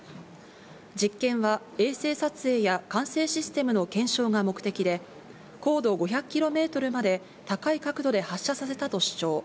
実験は衛星撮影や、管制システムの検証が目的で、高度５００キロメートルまで高い角度で発射させたと主張。